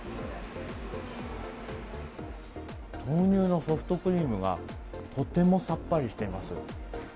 豆乳のソフトクリームがとてもさっぱりしています。